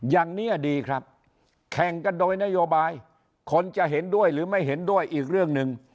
อย่างนี้ดีครับแข่งกันโดยนโยบายคนจะเห็นด้วยหรือไม่เห็นด้วยอีกเรื่องหนึ่ง